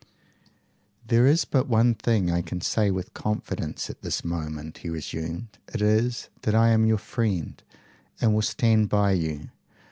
"There is but one thing I can say with confidence at this moment," he resumed: "it is, that I am your friend, and will stand by you.